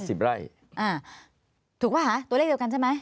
ถูกว่าหรือเปล่าตัวเลขเดียวกันใช่ไหม